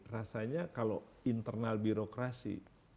rasanya kalau internal birokrasi